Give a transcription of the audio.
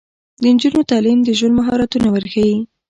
د نجونو تعلیم د ژوند مهارتونه ورښيي.